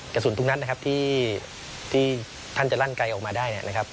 กระสุนทุกนัดที่ท่านจะร่านไกลออกมาได้